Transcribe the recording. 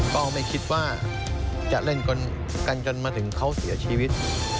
ก็ไม่คิดว่าจะเล่นกันจนมาถึงเขาเสียชีวิต